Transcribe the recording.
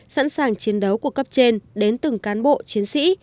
sẵn sàng chiến đấu của cấp trên đến từng cán bộ chiến sĩ